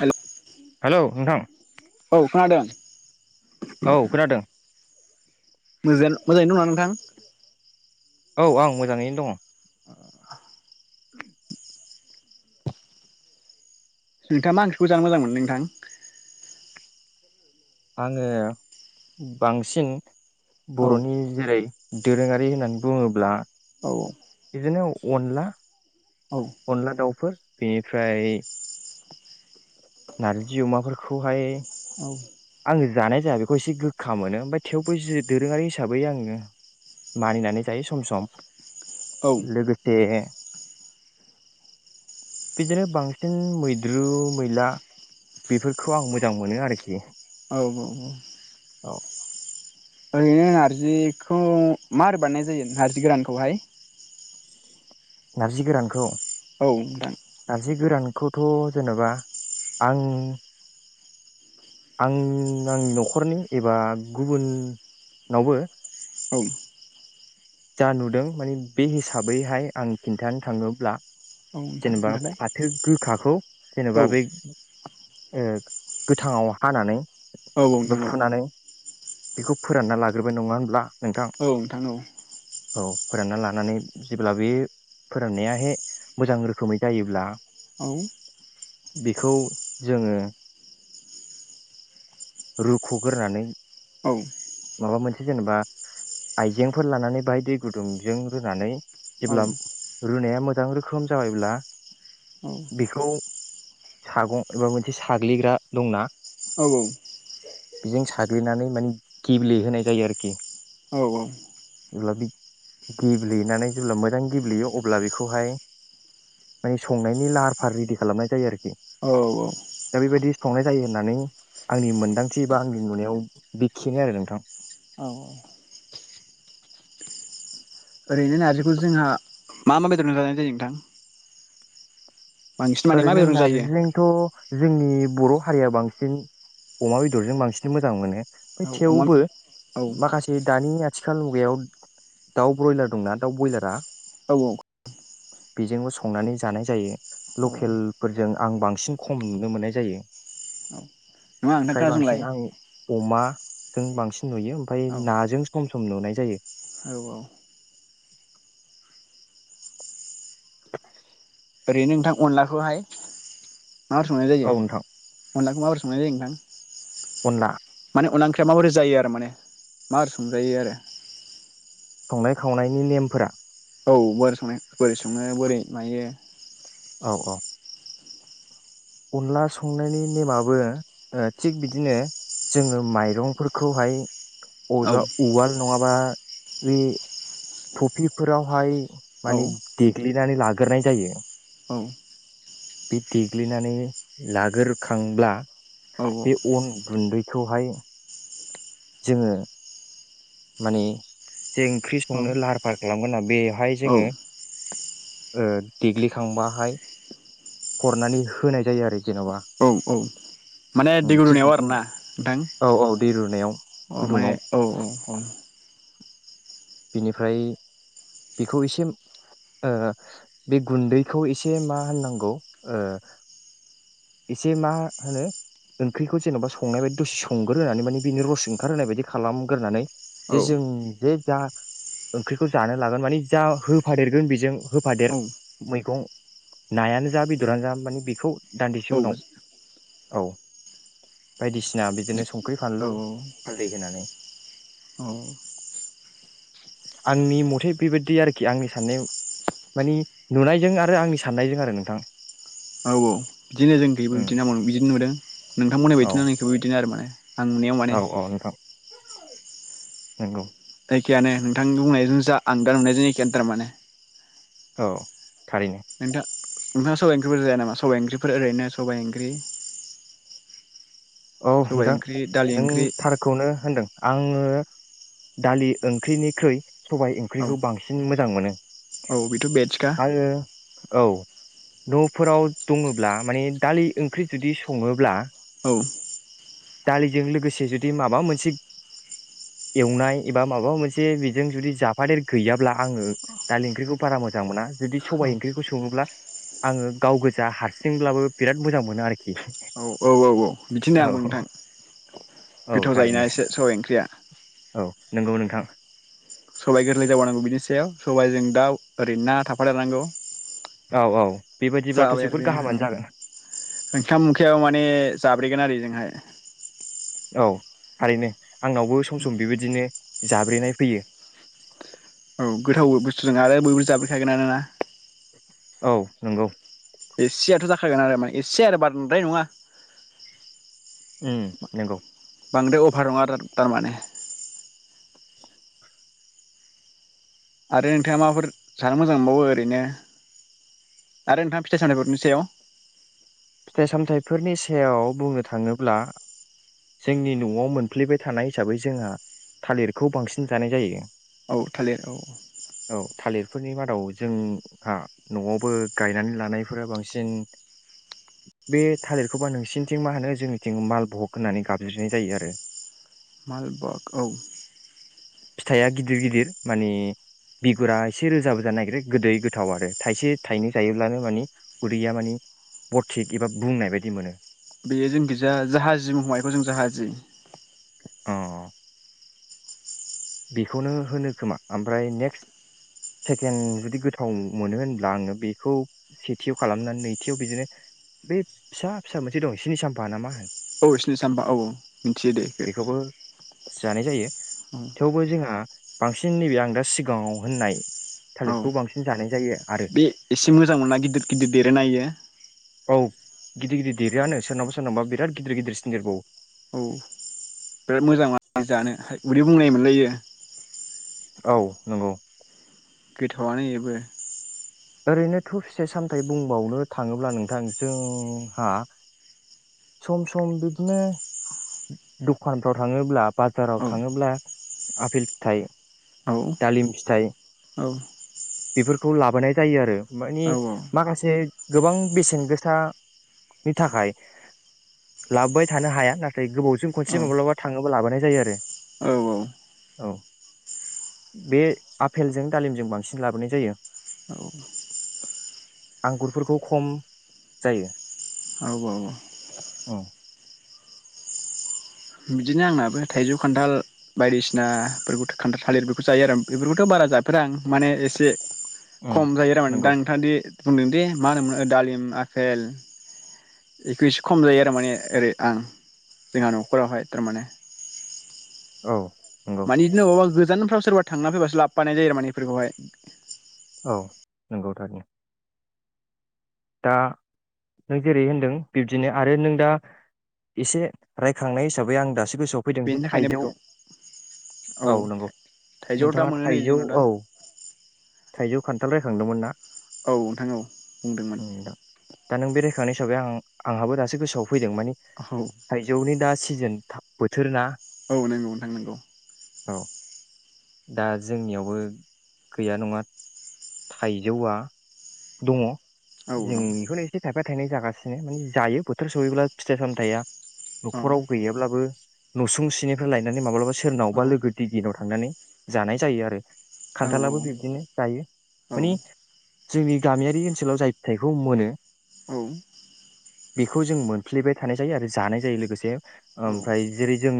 हेल hello नोंथां अ खोनादों। औ खोनादों। मोजा मोजाङैनो दंना नोंथां? औ औ आं मोजाङैनो दङ। [unintelligible] [inaudible] नोंथाङा मा ओंख्रिखौ जानो मोजां मोनो नोंथां? आङो बांसिन औ बर'नि जेरै दोरोङारि होननानै बुङोब्ला औ बिदिनो अनला औ अनला दाउ। फोर बेनिफ्राय नारजि अमाफोरखौहाय आङो जानाय जाया बेखौ एसे गोखा मोनो ओमफ्राय थेवबो जि दोरोङारि हिसाबै आङो मानिनानै जायो सम सम औ लोगोसे बिदिनो बांसिन मैद्रु मैला बेफोरखौ आं मोजां मोनो आरोखि औ औ औ। बिदिनो नारजिखौ मारै बानायनाय जायो नारजि गोरानखौहाय। नारजि गोरानखौ औ नोंथां। जि गोरानखौथ जेनेबा आं आं आंनि न'खरनि एबा गुबुननावबो औ जा नुदों माने बे हिसाबैहाय आं खिनथानो थाङोब्ला औ नोंथां जेनेबा खोन्थालाय फाथो गोखाखौ जेनेबा औ बै औ ओह गोथाङाव हानानै औ बेखौ नोंथां औ फुनानै बेखौ फोरानना लाग्रोबाय नङा होनब्ला? नोंथां औ नोंथां औ औ फोरानना लानानै जेब्ला बे फोराननायाहाय मोजां रोखोमै जायोब्ला औ बेखौ जोङो रुख'ग्रोनानै औ माबा मोनसे जेनेबा आइजेंफोर लानानै बायदि गुदुंजों रुनानै औ जेब्ला रुनाया मो मोजां रोखोम जाबायब्ला बेखौ सागं एबा मोनसे साग्लिग्रा दंना औ औ बेजों साग्लिनानै माने गेब्लेहोनाय जायो आरोखि। औ औ जेब्ला बे गेब्लेनानै जेब्ला मोजां गेब्लेयो अब्ला बेखौहाय माने संनायनि लाहार फाहार रेडि खालामनाय जायो आरोखि। औ दा बेबायदि संनाय जायो होननानै आंनि मोनदांथि एबा आंनि नुनायाव बेखिनो आरो नोंथां। औ [inaudible] श ओरैनो नारजिखौ जोंहा मा मा बेदरजों जानाय जायो नोंथां? बांसिन माने मा ओरैनो बेदरजों जायो नारजिजोंथ' जोंनि बर' हारिया बांसिन अमा बेदरजों बांसिन मोजां मोनो। ओमफ्राय औ अमा थेवबो औ माखासे दानिया आथिखाल मुगायाव दाउ ब्रयलार दंना दाउ बयलारा औ औ बेजोंबो संनानै जानाय जायो। औ लकेलफोरजों आं बांसिन खम नुनो मोननाय जायो। औ नङा नोंथां फ्राय खोनासंलाय बांसिन आं अमा जों बांसिन नुयो ओमफ्राय औ नाजों सम सम सम नुनाय जायो। औ औ [inaudible] ओरैनो नोंथां अनलाखौहाय माबोरै संनाय जायो? औ नोंथां अनलाखौ माबोरै संनाय जायो नोंथां? अनला माने अनला ओंख्रिया माबोरै जायो आरो माने माबोरै संजायो आरो संनाय खावनायनि नेमफोरा औ बोरै संनाय बोरै सङो बोरै मायो औ औ अनला संनायनि नेमाबो ओ थिग बिदिनो जोङो माइरंफोरखौहाय औ अबेबा उवाल नङाबा बे टफिफोरावहाय औ माने देग्लिनानै ला गोरनाय जायो। औ बे देग्लिनानै लागोरखांब्ला बे अन गुन्दै खौहाय जोङो मानि जे ओंख्रि संनो लाहार फाहार खालामगोना बेवहाय औ जोङो ओ देग्लिखांबाहाय हरनानै होनाय जायो आरोखि औ औ माने उम थिग दैगुदुनायाव बिदिनो आरोना नोंथां औ औ दै रुनायाव औ माने गुदुङाव औ औ औ बिनिफ्राय बेखौ एसे ओ बे गुन्दैखौ एसे मा होननांगौ ओ एसे मा होनो ओंख्रिखौ जेनेबा संनाय बायदि दसे संगोरोनानै माने बेनि रस ओंखारहोनाय बायदि खालामग्रोनानै औ जे जों जे जा ओंख्रिखौ जानो लागोन माने जा होफादेरगोन बेजों होफादेर मैगं नायानो जा बेदरानो जा माने बेखौ दान्दिसे उनाव औ बायदिसिना बिदिनो संख्रि औ फानलु हालदै होनानै औ आंनि मथे ओमफ्राय बेबायदि आरोखि आंनि साननाय मानि नुनायजों आरो आंनि साननायजों आरो नोंथां औ औ बिदिनो जोंनिखैबो उम बिदि न बिदिनो नुदों नोंथांमोननि औ बायदि न जोंनिखैबो बिदिनो आरो माने आं नुनायाव माने नोंगौ एखेयानो नोंथांनि बुंनायजों जा आं दा नुनायजों एखेयानो थारमाने औ थारैनो नोथां नोंथाङा सबाइ ओंख्रिफोर जाया नामा सबाइ ओंख्रिफोर ओरैनो सबाइ ओंख्रि। औ सबाइ नोंथां ओंख्रि दालि नों ओंख्रि थारखौनो होनदों आङो दालि ओंख्रिनिख्रुइ सबाय औ ओंख्रिखौ बांसिन मोजां मोनो बेथ' भेजखा आरो औ न'फोराव दङोब्ला माने दालि ओंख्रि जुदि सङोब्ला [inaudible] दालिजों लोगोसे जुदि माबा मोनसे एवनाय एबा माबा मोनसे बेजों जुदि जाफादेर गैयाब्ला आङो दालि ओंख्रिखौ बारा मोजां मोना जुदि औ सबायाइ ओंख्रिखौ सङोब्ला आङो गाव गोजा हारसिंब्लाबो बिराद मोजां मोनो आरोखि औ औ औ बिदिनो औ आंबो नोंथां औ गोथाव जायोना थारैनो एसे सबाय ओंख्रिया थां सबाय गोरलै जाबावोनांगौ बिनि सायाव सबायाइजों दाउ ओरैनो ना थाफानांगौ औ औ बेबायदिब्लाथ' जाबाय आरो जोबोद बे गाहामानो ओं जागोन ओंखाम ओंख्रियाबो माने जाब्रेगोन आरो एजोंहाय [inaudible] औ थारैनो आंनावबो सम सम बेबायदिनो जाब्रेनाय फैयो औ गोथाव बुस्थु जानो आरो बयबो जाबैखागोन आनो ना औ नंगौ एसेयाथ' जाखागोन आरो माने एसे आरो बांद्राय नङा उम नोंगौ बांद्राय अभार नङा तारमाने आरो नोंथाङा माबाफोर जानो मोजां मोनबावो ओरैनो आरो नोंथाङा फिथाइ सामथाइफोरनि सायाव फिथाइ सामथाइफोरनि सायाव बुंनो थाङोब्ला जोंनि नआव मोनफ्लेबाय थानाय हिसाबै जोंहा थालिरखौ बांसिन जानाय जायो। औ थालिर औ औ फोरनि मादाव जोंहा न'आवबो गायनानै लानायफोरा बांसिन बे थालिरखौबा नोंसिनिथिं मा होनो जोंनिथिं मालबहग होननानै गाबज्रिनाय जायो आरो मालबक औ फिथाइआ गिदिर गिदिर माने बिगुरा एसे रोजा बो जानो नागिरो गोदै गोथाव आरो थाइसे थाइनै जायोब्लानो माने उदैया माने थिग एबा बुंनाय बायदि मोनो बेयो जों गोजा जाहाजि हमनायखौ जों जाहाजि औ बेखौनो होनो खोमा ओमफ्राय नेक्स्ट सेकेन्ड जुदि गोथाव मोनो होनब्ला आङो बेखौ सेथियाव खालामनानै नैथियाव बिदिनो बे फिसा फिसा मोनसे दं सिनि साम्फा ना मा होन औ सिनि सामबा औ औ मिथियो दे इखो बेखौबो जानाय जायो थेउबो जोंहा बांसिन नैबे आं दा सिगाङाव होननाय औ थालिरखौ बांसिन जानाय जायो आरो बे एसे मोजां मोना गिदिर गिदिर देरो ना इयो औ गिदिर गिदिर देरोआनो सोरनावबा सोरनावबा बिराद गिदिर गिदिर सिन देरबावो औ बिराद मोजां जानो उदै बुंनाय मोनलायो औ नंगौ गोथावआनो इबो ओरैनो थ फिथाइ सामथाय बुंबावनो थाङोब्ला नोंथां जोंहा सम सम बिदिनो दखानफ्राव थाङोब्ला बाजाराव औ थाङोब्ला आफिल फिथाइ औ दालिम फिथाइ औ बेफोरखौ लाबोनाय जायो आरो मानि औ माखासे गोबां बेसेन गोसानि थाखाय लाबोबाय थानो हाया नाथा थाय गोबावजों औ खनसे माब्लाबा थाङो ब्ला लाबोनाय जायो आरो औ बे आफपेलजों दालिमजों बांसिन लाबोनाय जायो आंगुरफोरखौ खम जायो। औ औ औ बिदिनो आंनाबो थाइजौ खान्थाल बायदिसिनाफोरखौ खान्थाल थालिर बेफोरखौ जायो आरो बेफोरखौथ' बारा जाफेरा आं माने एसे उम खम जायो आरोमाने दा नंगौ नोंथाङादि बुंदों दे मा होनोम मोनो दालिम आफेल। एकुइसो खम जायो आरो माने ओरै आं जोंहा न'खरावहाय थारमाने। औ नंगौ मानिदिनो अबा गो गोजानफ्राव सोरबा थांना फैबासो लाबफानाय जायो आरो माने बेफोरखौहाय औ नंगौथारनि दा नों जेरै होनदों बिब्दिनो आरो नों दा एसे रायखांनाय हिसाबै आं दास गोसोआव फैदों जे बेनि थाखायनो थाइजौ बेखौ औ नंगौ थाइजौ दा नोंथाङा मोनो नै थाइजौ जोंनाव दा औ थाइजौ खान्थाल रायखांदोंमोन ना औ नोंथां औ बुंदोंमोन। थनाय हिसै आं आंहाबो दासो गोसोआव फैदों माने औ थायजौनि दा सिजेन सिजोन थाब बोथोर ना औ नंगौ नोंथां नंगौ औ दा जोंनियावबो गैया नङा थाइजौआ दङ जों औ दं बेखौल' एसे थाफाय फथायनाय जागासिनो माने जायो बोथोर सहैब्ला फिथाइ सामथाया औ न'खराव गैयाब्लाबो नुसुं सिनिफ्राय लायनानै माब्लाबा सोरनावा औ लोगो दिगिनाव थांनानै जानाय जायो आरो खान्थालाबो बिबदिनो जायो औ माने जोंनि गामियारि ओनसोलाव जाय फिथाइखौ मोनो औ बेखौ जों मोनफ्लेबाय थानाय जायो आरो जानाय जायो लोगोसे औ ओमफ्राय जेरै जों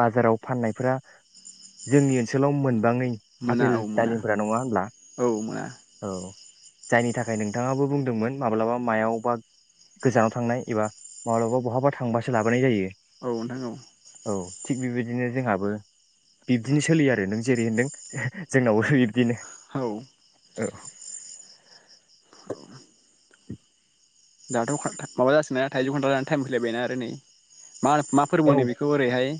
बाजाराव फाननायफोरा जोंनि ओनसोलाव मोन गोबाङै मोना आफपेल औ मोना दालिमफोरा नङा होनोमब्ला औ मोना जायनि थाखाय नोंथाङाबो बुंदोंमोन माब्लाबा मायाव बा गोजानाव थांनाय एबा माब्लाबा बहाबा थांबासो लाबोनाय जायो औ नोंथां औ औ थिग बेबायदिनो जोंहाबो बिब्दिनो सोलियो आरो नों जेरै होनदों जोंनाव बिब्दिनो हौ औ औ [inaudible] दाथ' खान्था माबा जासिगोना थाइजौ खान्थाल जानो टाइम फैलायबायना आरो नै मा मा फोरबो औ होनो बेखौ ओरैहाय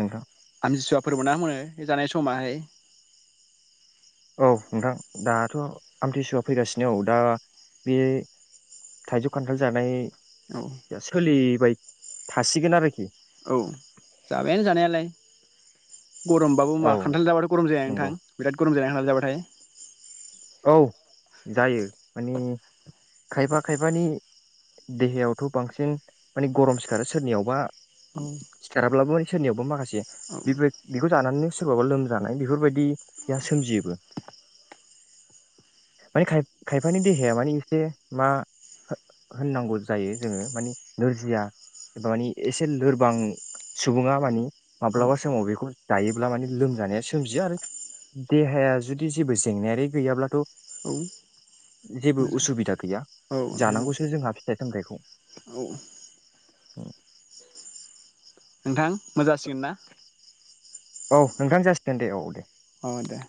नोंथां आमथिसुवा फोरबोना मा होनो ए जानाय समाहाय औ नोंथां दाथ' आमथिसुआ फैगासिनो औ दा बे थाइजौ खान्थाल जानाय औ सोलिबाय थासिगोन आरोखि औ जाबायानो जानायालाय गरमबाबो मा औ खान्थाल जाबाथ' गम जाया नंगौ नोंथां बिराद गरम जाया थाब जाबाथाय औ जायो माने खायफा खायफानि देहायावथ' बांसिन माने गरम सिखारो सोरनियावबा औ सिखाराब्लाबो सोरनियाबा माखासे [unintelligible] बेखौ जानानैनो सोरबाबा लोमजानाय बेफोरबाया सोमजियोबो माने खाय खायफानि देहाया मानि एसे मा हो होननांगौ जायो जोङो माने नोरजिया एबा मानि एसे लोरबां सुबुङा मानि औ माब्लाबा समाव बेखौ जायोब्ला माने लोमजानाया सोमजियो आरो देहाया जुदि जेबो जेंनायारि गैयाब्लाथ' औ जेबो मोजां उसुबिदा गैया औ नोंथां जानांगौसो जोंहा थाइ सामथाइखौ औ औ उम नोंथां मोनजासिगोन ना औ नोंथां जासिगोन दे औ दे औ दे